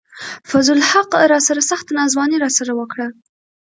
فضل الحق راسره سخته ناځواني راسره وڪړه